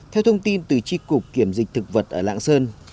theo thông tin từ tri cục kiểm dịch thực vật ở lạng sơn